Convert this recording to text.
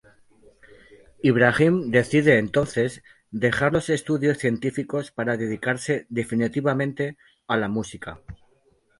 Ibrahim decide entonces dejar los estudios científicos para dedicarse definitivamente a la música.